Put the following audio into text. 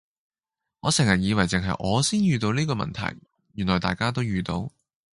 我成日以為淨係我先遇到呢個問題，原來大家都遇到